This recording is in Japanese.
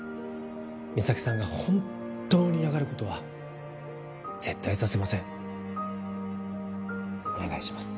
三咲さんが本当に嫌がることは絶対させませんお願いします